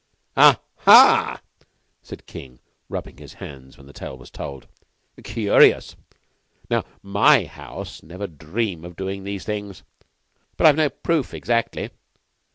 "Ah haa!" said King, rubbing his hands when the tale was told. "Curious! Now my house never dream of doing these things." "But you see I've no proof, exactly."